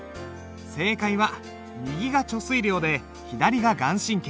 正解は右が遂良で左が顔真。